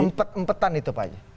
empet empetan itu pak haji